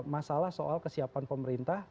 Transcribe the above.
masalah soal kesiapan pemerintah